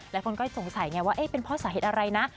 หลายคนก็สงสัยไงว่าเป็นเพราะสาเหตุอะไรนะ